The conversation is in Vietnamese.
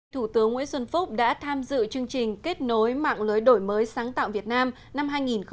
thủ tướng nguyễn xuân phúc đã tham dự chương trình kết nối mạng lưới đổi mới sáng tạo việt nam năm hai nghìn hai mươi